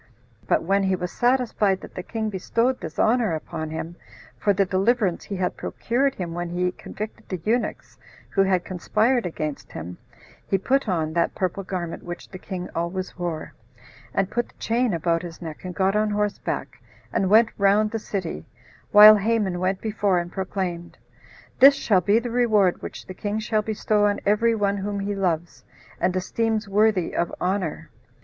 But when he was satisfied that the king bestowed this honor upon him, for the deliverance he had procured him when he convicted the eunuchs who had conspired against him, he put on that purple garment which the king always wore, and put the chain about his neck, and got on horseback, and went round the city, while Haman went before and proclaimed, "This shall be the reward which the king will bestow on every one whom he loves, and esteems worthy of honor."